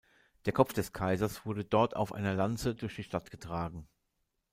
Der Kopf des Kaisers wurde dort auf einer Lanze durch die Stadt getragen.